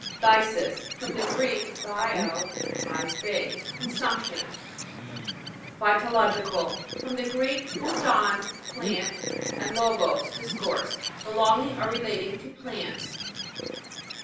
PHTHI'SIS. From the Greek, phthio, I fade. Consumption. PHYTOLO'GICAL. From the Greek, phuton, plant, and logos, discourse. Belonging or relating to plants.